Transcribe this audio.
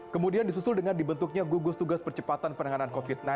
kemudian disusul dengan dibentuknya gugus tugas percepatan penanganan covid sembilan belas